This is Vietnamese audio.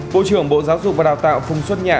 bộ trưởng bộ giáo dục và đào tạo phùng xuân nhạ